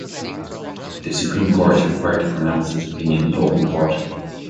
The Supreme Court is required to pronounce its opinion in open court.